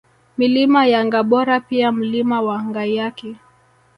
Milima ya Ngabora pia Mlima wa Ngaiyaki